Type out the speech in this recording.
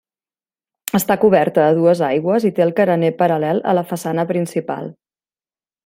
Està coberta a dues aigües i té el carener paral·lel a la façana principal.